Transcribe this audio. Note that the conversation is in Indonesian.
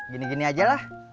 gini gini aja lah